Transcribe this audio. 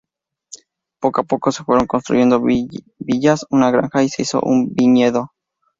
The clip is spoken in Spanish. Poco a poco, se fueron construyendo villas, una granja, y se hizo un viñedo.